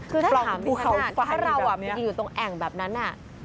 ปร่องภูเขาไฟอยู่แบบนี้นะคือถ้าถามนี้ขนาดถ้าเรามีอยู่ตรงแอ่งแบบนั้น